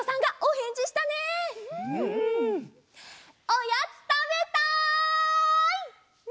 おやつたべたい！